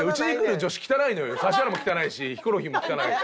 指原も汚いしヒコロヒーも汚い。